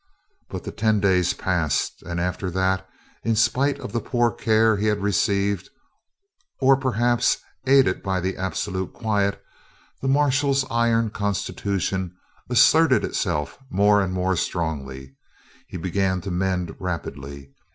But the ten days passed; and after that, in spite of the poor care he had received or perhaps aided by the absolute quiet the marshal's iron constitution asserted itself more and more strongly. He began to mend rapidly.